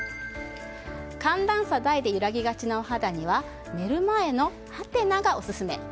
寒暖差大で揺らぎがちなお肌には寝る前のハテナがオススメ。